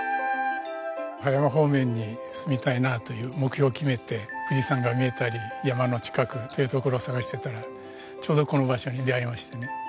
葉山方面に住みたいなあという目標を決めて富士山が見えたり山の近くという所を探してたらちょうどこの場所に出会いましてね。